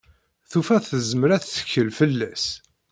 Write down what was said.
Tufa tezmer ad tettkel fell-as.